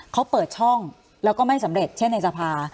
เขาเปิดช่องแล้วก็ไม่สำเร็จเช่นในสภา